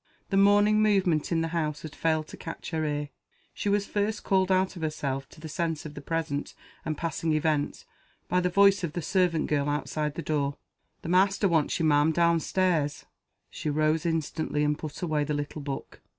The morning movement in the house had failed to catch her ear. She was first called out of herself to the sense of the present and passing events by the voice of the servant girl outside the door. "The master wants you, ma'am, down stairs." She rose instantly and put away the little book.